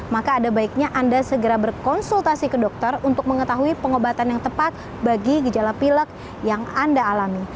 maka ada baiknya anda segera berkonsultasi ke dokter untuk mengetahui pengobatan yang tepat bagi gejala pilek yang anda alami